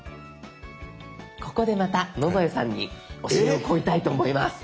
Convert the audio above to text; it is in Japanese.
ここでまた野添さんに教えを請いたいと思います。